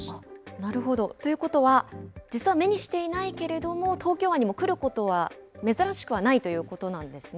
なるほど。ということは、実は目にしていないけれども、東京湾にも来ることは珍しくはないということなんですね。